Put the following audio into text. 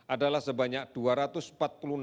adalah sebanyak dua orang